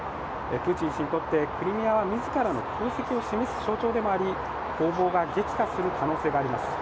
プーチン氏にとってクリミアは自らの功績を示す象徴でもあり攻防が激化する可能性があります。